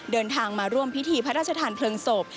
เดินทางมาร่วมพิธีพระราชทานเพลิงศพ